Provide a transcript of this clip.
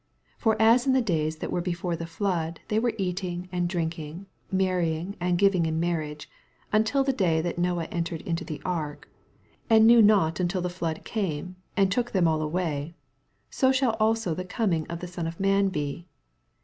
88 For as in the days that were before the flood they were eating and drinking, manying and giving in marnafi^, until the day that Noe entered into the ark, 89 And knew not antil the flood oame, and took them all away; so shall also the coming of the Son of man be.